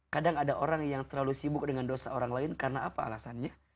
kadang ada orang yang terlalu sibuk dengan dosa orang lain karena apa alasannya